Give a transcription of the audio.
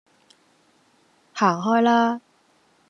行開啦